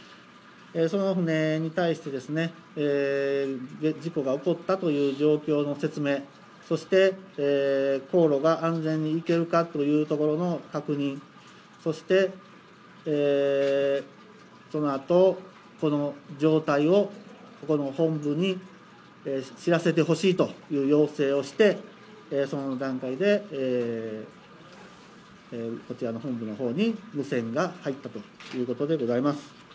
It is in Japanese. その船に対して、事故が起こったという状況の説明、そして航路が安全に行けるかというところの確認、そしてそのあと、この状態をここの本部に知らせてほしいという要請をして、その段階でこちらの本部のほうに無線が入ったということでござい